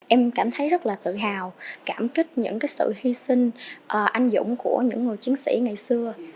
em cảm thấy rất là tự hào cảm kích những sự hy sinh anh dũng của những người chiến sĩ ngày xưa